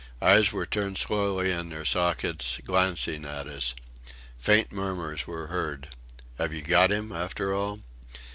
Eyes were turned slowly in their sockets, glancing at us. Faint murmurs were heard, "Have you got 'im after all?"